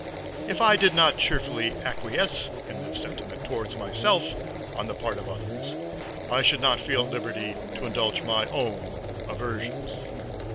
If I did not cheerfully acquiesce in this sentiment towards myself on the part of others, I should not feel at liberty to indulge my own aversions.